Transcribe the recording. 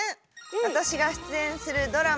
私が出演するドラマ